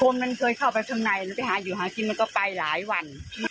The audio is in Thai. มันเคยเข้าไปข้างในแล้วไปหากินก็ไปหลายวัน